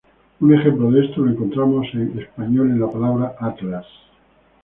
Un ejemplo de esto lo encontramos en español en la palabra "atlas".